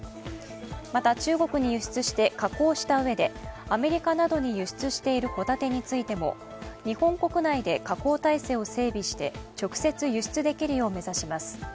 また、中国に輸出して加工したうえでアメリカなどに輸出しているホタテについても日本国内で加工体制を整備して直接輸出できるよう目指します。